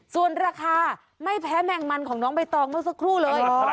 ส่วนราคาไม่แพ้แมงมันของน้องใบตองเมื่อสักครู่เลย